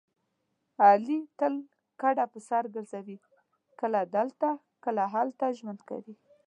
علي تل کډه په سر ګرځوي کله دلته کله هلته ژوند کوي.